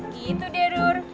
gitu deh dur